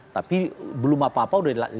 tapi belum apa apa udah ditelanjur